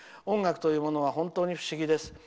音楽というものは本当に不思議です。